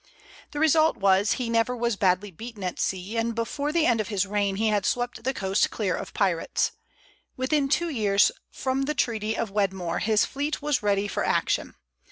The result was, he was never badly beaten at sea, and before the end of his reign he had swept the coast clear of pirates. Within two years from the treaty of Wedmore his fleet was ready for action.